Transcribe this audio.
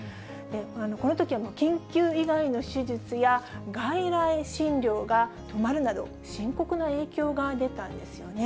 このときはもう緊急以外の手術や、外来診療が止まるなど、深刻な影響が出たんですよね。